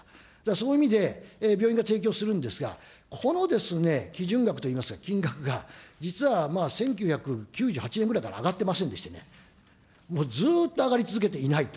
その意味で病院が提供するんですが、この基準額といいますか、金額が実は１９９８年ぐらいから上がってませんでしてね、もうずっと上がり続けていないと。